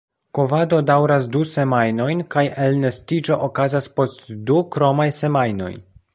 Kovado daŭras du semajnojn kaj elnestiĝo okazas post du kromaj semajnoj.